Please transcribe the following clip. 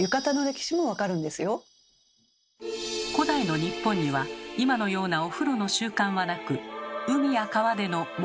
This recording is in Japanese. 古代の日本には今のようなお風呂の習慣はなく海や川での「沐浴」